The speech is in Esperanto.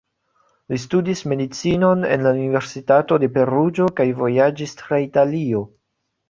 Li studis medicinon en la Universitato de Peruĝo kaj vojaĝis tra Italio.